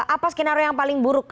apa skenario yang paling buruk